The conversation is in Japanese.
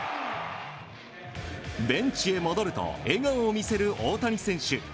ベンチへ戻ると笑顔を見せる大谷選手。